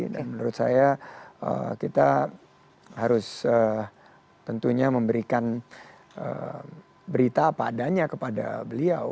dan menurut saya kita harus tentunya memberikan berita apa adanya kepada beliau